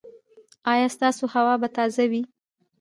ایا ستاسو هوا به تازه وي؟